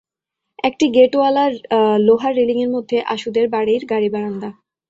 একটি গেটওয়ালা লোহার রেলিঙের মধ্যে আশুদের বাড়ির গাড়িবারান্দা।